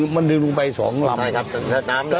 มันดึงลงไปสองลำ